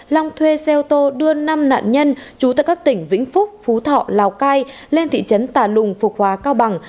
long thuê xe ô tô đưa năm nạn nhân trú tại các tỉnh vĩnh phúc phú thọ lào cai lên thị trấn tà lùng phục hóa cao bằng